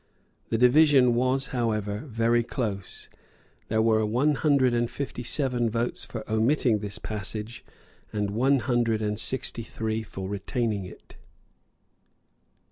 The division was, however, very close. There were one hundred and fifty seven votes for omitting this passage, and one hundred and sixty three for retaining it.